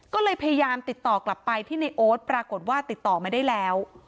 ก็เลยพยายามติดต่อกลับไปที่ในโอ๊ตปรากฏว่าติดต่อไม่ได้แล้ว